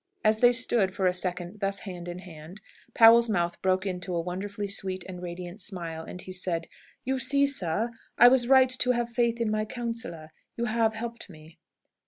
As they stood for a second thus hand in hand, Powell's mouth broke into a wonderfully sweet and radiant smile, and he said, "You see, sir, I was right to have faith in my counsellor. You have helped me."